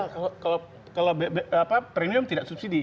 kalau premium tidak subsidi